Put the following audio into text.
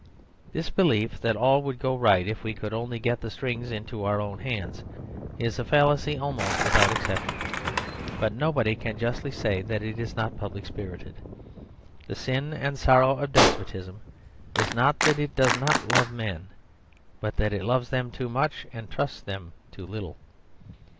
This belief that all would go right if we could only get the strings into our own hands is a fallacy almost without exception, but nobody can justly say that it is not public spirited. The sin and sorrow of despotism is not that it does not love men, but that it loves them too much and trusts them too little.